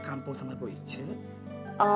kamu sama siapa